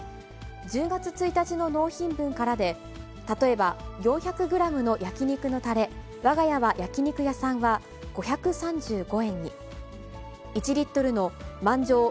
１０月１日の納品分からで、例えば４００グラムの焼き肉のたれ、わが家は焼肉屋さんは５３５円に、１リットルのマンジョウ